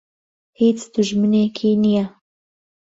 هیچ دوژمنێکی نییە.